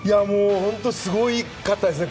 本当、すごかったですね